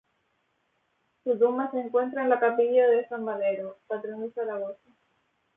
Su tumba se encuentra en la capilla de San Valero, patrón de Zaragoza.